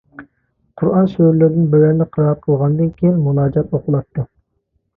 قۇرئان سۈرىلىرىدىن بىرەرنى قىرائەت قىلغاندىن كېيىن مۇناجات ئوقۇلاتتى.